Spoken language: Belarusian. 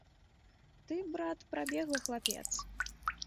Ты, брат, прабеглы хлапец.